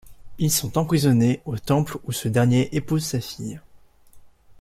Ils sont emprisonnés au Temple où ce dernier épouse sa fille.